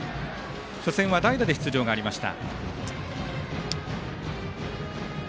初戦は代打で出場がありました。